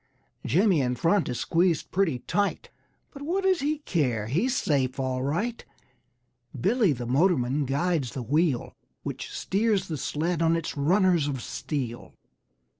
Jimmy in front is squeezed pretty tight, But what does he care, he's safe all right! Billy, the motorman, guides the wheel Which steers the sled on its runners of steel.